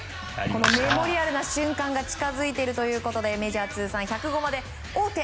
メモリアルな瞬間が近づいているということでメジャー通算１００号で王手